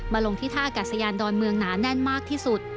ลงที่ท่าอากาศยานดอนเมืองหนาแน่นมากที่สุด